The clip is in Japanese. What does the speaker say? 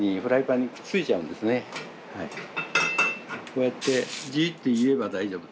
こうやってジーッて言えば大丈夫。